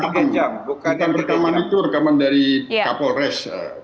kalau yang rekaman itu rekaman dari kapolres